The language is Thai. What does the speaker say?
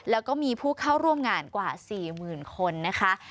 แล้วก็มีผู้เข้าร่วมงานกว่า๔๐๐๐คนนะคะ